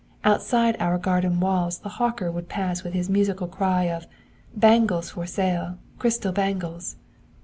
Outside our garden walls the hawker would pass with his musical cry of "Bangles for sale, crystal bangles."